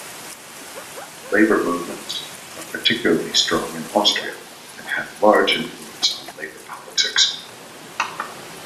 Labour movements are particularly strong in Austria and have large influence on labour politics.